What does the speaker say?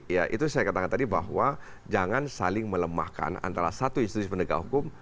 ya itu saya katakan tadi bahwa jangan saling melemahkan antara satu institusi pendekat hukum